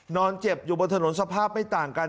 นอนเจ็บอยู่บนถนนสภาพไม่ต่างกัน